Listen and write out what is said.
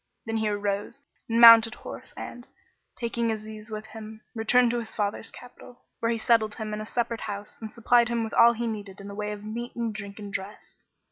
Then he arose and mounted horse and, taking Aziz with him, returned to his father's capital, where he settled him in a separate house and supplied him with all he needed in the way of meat and drink and dress.